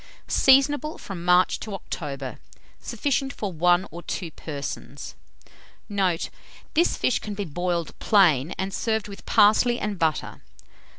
Seasonable from March to October. Sufficient for 1 or 2 persons. Note. This fish can be boiled plain, and served with parsley and butter.